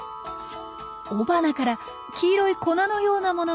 雄花から黄色い粉のようなものが出ています。